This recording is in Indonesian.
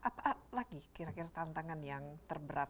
apa lagi kira kira tantangan yang terberat